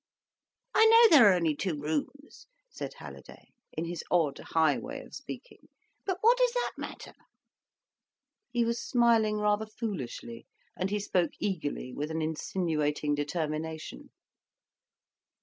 "I know there are only two rooms," said Halliday, in his odd, high way of speaking. "But what does that matter?" He was smiling rather foolishly, and he spoke eagerly, with an insinuating determination.